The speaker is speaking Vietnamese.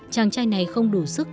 chàng trai này không đủ sức cho cậu bé